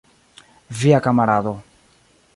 Via kamarado.